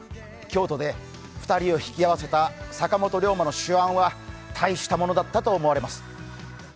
京都で２人を引き合わせた坂本龍馬の手腕は大したものだったと思われます。